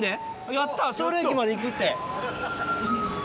やったソウル駅まで行くって。